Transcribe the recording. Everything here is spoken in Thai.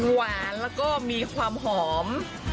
หวานแล้วก็มีความหอม